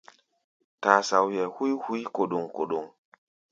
Tasaoʼɛ húí hui kóɗóŋ-kóɗóŋ.